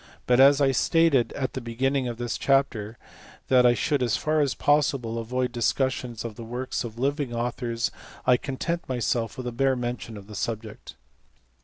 But as I stated at the beginning of this chapter that I should as far as possible avoid discussion of the works of living authors I content o myself with a bare mention of the subject.